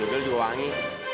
dekil juga wangi